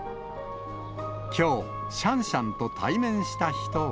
きょう、シャンシャンと対面した人は。